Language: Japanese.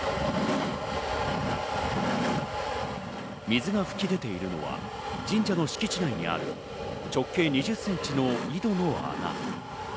水が噴き出ているのは神社の敷地内にある直径２０センチの井戸の穴。